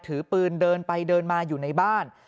ถือปืนเดินไปเดินมาอยู่ในบ้าน